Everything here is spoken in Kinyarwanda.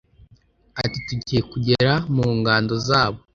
ati"tugiye kugera mungando zabo